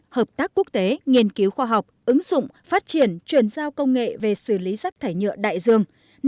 ba hợp tác quốc tế nghiên cứu khoa học ứng dụng phát triển truyền giao công nghệ về xử lý rác thải nhựa đại dương